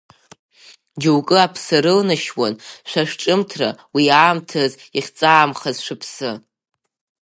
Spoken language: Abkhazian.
Џьоук аԥса рылнашьуан шәа шәҿымҭра, уи аамҭаз иахьҵаамхаз шәыԥсы.